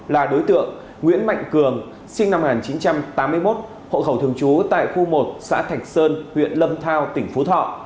là đối tượng nguyễn mạnh cường sinh năm một nghìn chín trăm tám mươi một hộ khẩu thường trú tại khu một xã thạch sơn huyện lâm thao tỉnh phú thọ